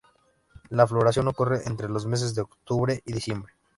La floración ocurre entre los meses de octubre y diciembre.